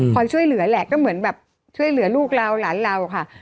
ช่วยเหลือแหละก็เหมือนแบบช่วยเหลือลูกเราหลานเราค่ะ